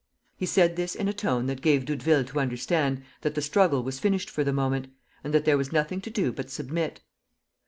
..." He said this in a tone that gave Doudeville to understand that the struggle was finished for the moment and that there was nothing to do but submit.